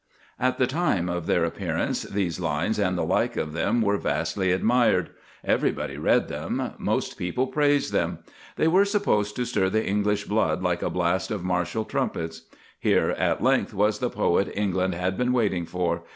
At the time of their appearance these lines and the like of them were vastly admired; everybody read them, most people praised them. They were supposed to stir the English blood like a blast of martial trumpets. Here at length was the poet England had been waiting for.